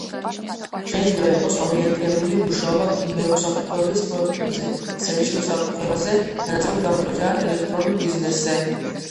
შეიძლება იყოს ორიენტირებული მუშაობა კიბერუსაფრთხოების პროექტებზე ქსელში უსაფრთხოებაზე განაწილებულ გამოთვლებზე ან ელექტრონულ ბიზნესზე.